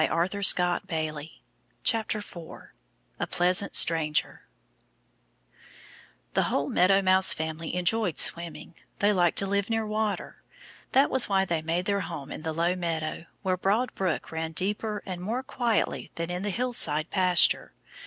4 A Pleasant Stranger THE whole Meadow Mouse family enjoyed swimming. They liked to live near water. That was why they made their home in the low meadow, where Broad Brook ran deeper and more quietly than in the hillside pasture.